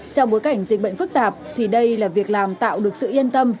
trong bối cảnh dịch bệnh phức tạp thì đây là việc làm tạo được sự yên tâm